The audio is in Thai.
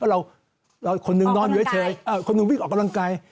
เราคนหนึ่งนอนอยู่เฉยคนหนึ่งวิ่งออกกำลังกาย